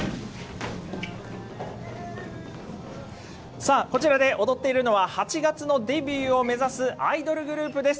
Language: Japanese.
さあ、こちらで踊っているのは８月のデビューを目指すアイドルグループです。